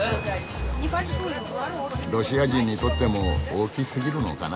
ロシア人にとっても大きすぎるのかな。